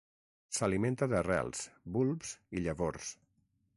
S'alimenta d'arrels, bulbs i llavors.